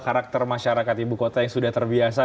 karakter masyarakat ibu kota yang sudah terbiasa